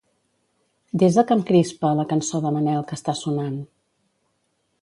Desa que em crispa la cançó de Manel que està sonant.